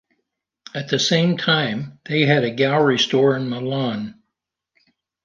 At the same time, they had a gallery store in Milan.